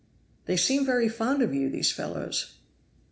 "They seem very fond of you, these fellows."